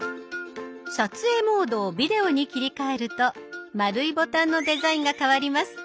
撮影モードを「ビデオ」に切り替えると丸いボタンのデザインが変わります。